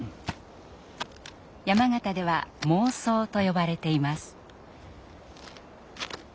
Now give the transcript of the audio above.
山形では孟宗と呼ばれています。